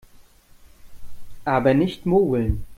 Aber nicht mogeln!